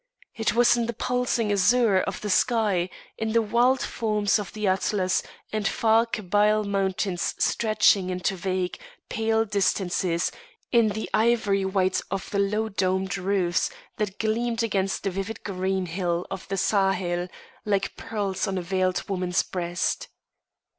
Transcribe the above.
It was in the pulsing azure of the sky; in the wild forms of the Atlas and far Kabyle mountains stretching into vague, pale distances; in the ivory white of the low domed roofs that gleamed against the vivid green hill of the Sahel, like pearls on a veiled woman's breast.